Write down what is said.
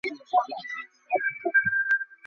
মা, দ্যাখো।